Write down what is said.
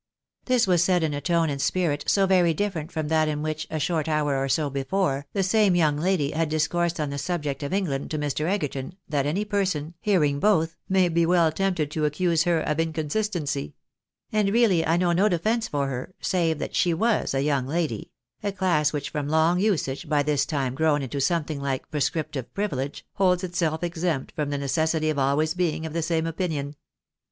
This was said in a tone and spirit so very different from that in which, a short hour or so before, the same young lady had dis coursed on the subject of England to Mr. Egerton, that any person, hearing both, may be well tempted to accuse her of inconsistency ; and really I know no defence for her, save that she was a young lady — a class which from long usage, by this time grown into some thing like prescriptive privilege, holds itself exempt from the neces sity of always being of the same opinion.